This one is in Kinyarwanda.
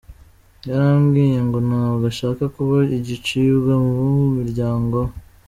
Yarambwiye ngo ntabwo ashaka kuba igicibwa mu muryango we.